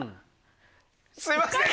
すいません！